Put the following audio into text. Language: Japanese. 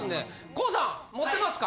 ＫＯＯさん持ってますか？